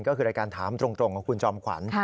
ก็คือรายการถามตรงกับคุณจอมขวัญ